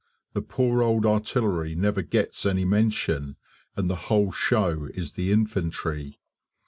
The poor old artillery never gets any mention, and the whole show is the infantry.